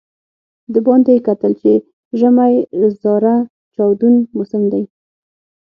د باندې یې کتل چې ژمی زاره چاودون موسم دی.